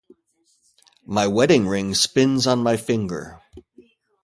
My wedding ring spins on my finger.